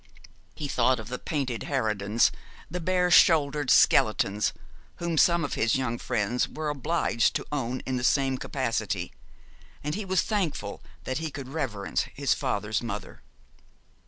He thought of the painted harridans, the bare shouldered skeletons, whom some of his young friends were obliged to own in the same capacity, and he was thankful that he could reverence his father's mother.